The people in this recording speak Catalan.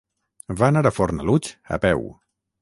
Va anar a Fornalutx a peu.